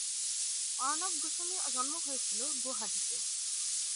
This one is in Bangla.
অর্ণব গোস্বামীর জন্ম হয়েছিল গুয়াহাটিতে।